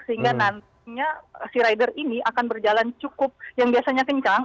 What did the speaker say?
sehingga nantinya sea rider ini akan berjalan cukup yang biasanya kencang